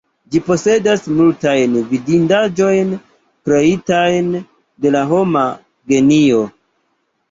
Ĝi posedas multajn vidindaĵojn, kreitajn de la homa genio.